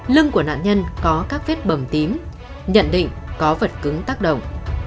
lưng của nạn nhân có các vết bầm tím nhận định có vật cứng tác động